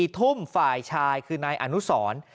๔ทุ่มฝ่ายชายคือนายอนุสร